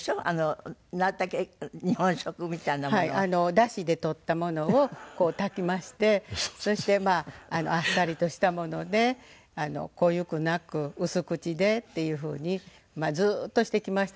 だしで取ったものを炊きましてそしてまああっさりとしたもので濃ゆくなく薄口でっていう風にずっとしてきましたので。